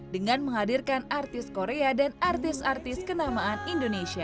dengan menghadirkan artis korea dan artis artis kenamaan indonesia